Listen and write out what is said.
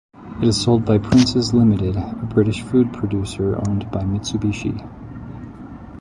It is sold by Princes Limited, a British food producer owned by Mitsubishi.